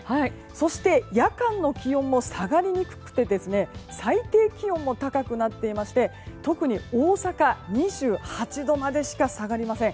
そして、夜間の気温も下がりにくくて最低気温も高くなっていまして特に大阪は２８度までしか下がりません。